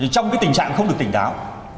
trong cái tình trạng không được tỉnh táo